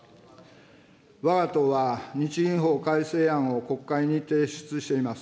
わが党は、日銀法改正案を国会に提出しています。